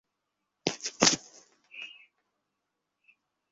উপরে আসীন ঈশ্বরের সাথে প্রতিদিনই কথা বলি আমি।